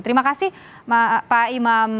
terima kasih pak imam